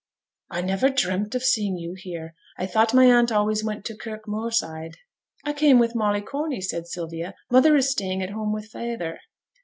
'I never dreamt of seeing you here. I thought my aunt always went to Kirk Moorside.' 'I came with Molly Corney,' said Sylvia. 'Mother is staying at home with feyther.'